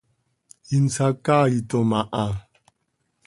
Insacaaitom aha.